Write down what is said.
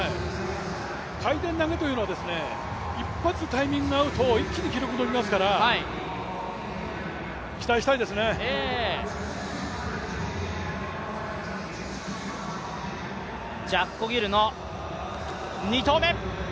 回転投げというのは一発タイミングが合うと一気に記録が上がりますから、ジャッコ・ギルの２投目。